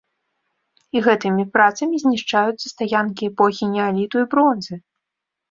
І гэтымі працамі знішчаюцца стаянкі эпохі неаліту і бронзы!